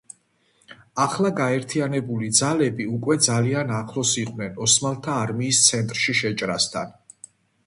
ახლა, გაერთიანებული ძალები უკვე ძალიან ახლოს იყვნენ ოსმალთა არმიის ცენტრში შეჭრასთან.